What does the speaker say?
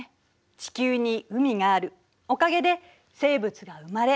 地球に海があるおかげで生物が生まれ進化した。